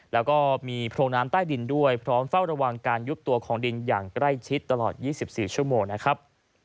แล้วก็มีโพรงน้ำใต้ดินด้วยพร้อมเฝ้าระวังการยุบตัวของดินอย่างใกล้ชิดตลอด๒๔ชั่วโมงนะครับ